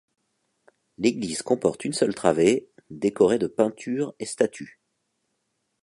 L'église comporte une seule travée, décorée de peintures et statues.